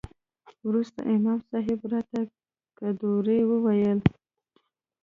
وروسته امام صاحب راته قدوري وويل.